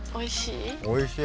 おいしい？